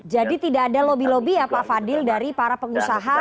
jadi tidak ada lobby lobby ya pak fadil dari para pengusaha